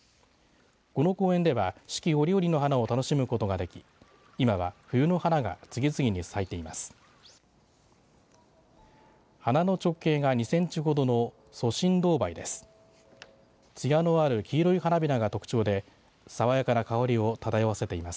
この公園では四季折々の花を楽しむことができ今は冬の花が次々に咲いています。